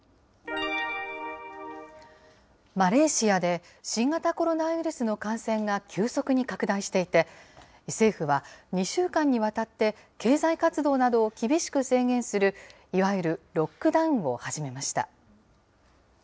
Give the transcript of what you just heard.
マレーシアで、新型コロナウイルスの感染が急速に拡大していて、政府は２週間にわたって、経済活動などを厳しく制限する、いわゆるロックダウンを始めました。